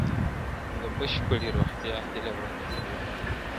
او د بشپړي روغتیا هیله ورته کوو ,